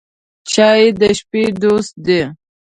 چای د شپې دوست دی.